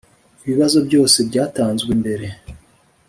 Ibibazo byose byatanzwe mbere